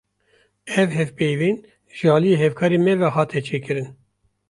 Ev hevpeyvîn, ji aliyê hevkarê me ve hate çêkirin